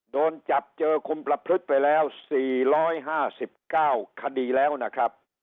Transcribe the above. โดนจับเจอคุมประพฤติไปแล้ว๔๕๙คดีแล้วนะครับ